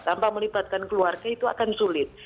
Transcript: tanpa melibatkan keluarga itu akan sulit